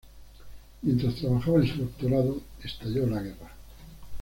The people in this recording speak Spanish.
Mientras trabajaba en su doctorado, estalló la guerra.